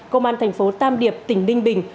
công an tp tam điệp tỉnh ninh bình